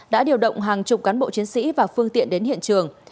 đã điều động hàng chục cán bộ chiến sĩ và phương tiện đến hiện trường